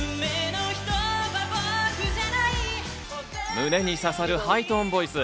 胸に刺さるハイトーンボイス。